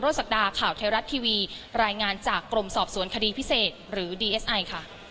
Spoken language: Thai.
ศักดาข่าวไทยรัฐทีวีรายงานจากกรมสอบสวนคดีพิเศษหรือดีเอสไอค่ะ